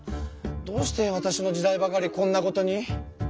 どうしてわたしの時代ばかりこんなことに。